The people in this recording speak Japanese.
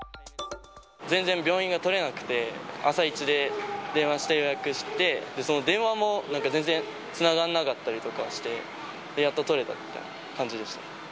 全然病院が取れなくて、朝イチで電話して予約して、その電話も、なんか全然つながらなかったりとかして、やっと取れたみたいな感じでした。